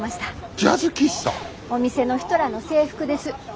お店の人らの制服です。